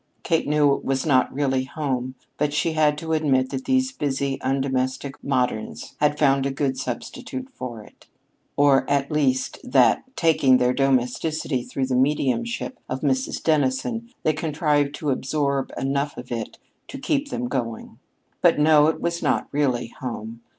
Kate knew it was not really home, but she had to admit that these busy undomestic moderns had found a good substitute for it: or, at least, that, taking their domesticity through the mediumship of Mrs. Dennison, they contrived to absorb enough of it to keep them going. But, no, it was not really home.